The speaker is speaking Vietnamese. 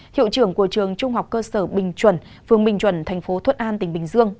hiệu trưởng của trường trung học cơ sở bình chuẩn phường bình chuẩn thành phố thuận an tỉnh bình dương